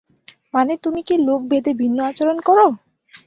মানে, তুমি কি লোকভেদে ভিন্ন আচরণ করো?